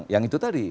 yang itu tadi